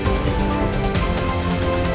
terima kasih pak